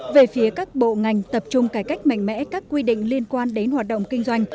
về phía các bộ ngành tập trung cải cách mạnh mẽ các quy định liên quan đến hoạt động kinh doanh